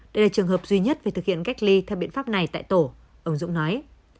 đây là trường hợp duy nhất phải thực hiện cách ly theo biện pháp này tại tổ ông dũng nói